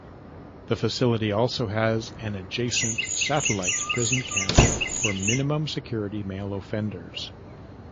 The facility also has an adjacent satellite prison camp for minimum-security male offenders.